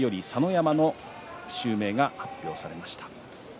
山の襲名が発表されました。